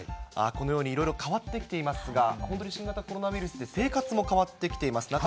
このようにいろいろ変わってきていますが、本当に新型コロナウイルスで生活も変わってきています。